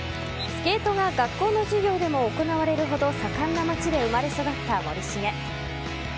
スケートが学校の授業でも行われるほど盛んな町で生まれ育った森重。